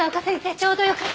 ちょうどよかった。